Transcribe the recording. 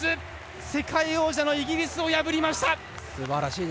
世界王者のイギリスを破りました！